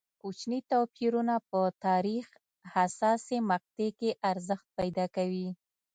کوچني توپیرونه په تاریخ حساسې مقطعې کې ارزښت پیدا کوي.